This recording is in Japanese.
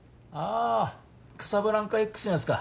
あカサブランカＸのやつか。